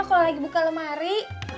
kalo lagi buka lemari